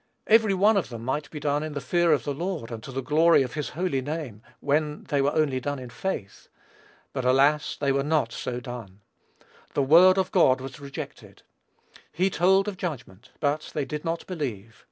Every one of them might be done in the fear of the Lord, and to the glory of his holy name, were they only done in faith. But, alas! they were not so done. The word of God was rejected. He told of judgment; but they did not believe.